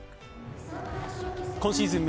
今シーズン